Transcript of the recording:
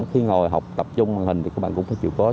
khi ngồi học tập trung màn hình thì các bạn cũng phải chịu tốt